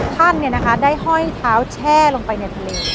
ท่านเนี่ยนะคะได้ห้อยเท้าแช่ลงไปในทะเล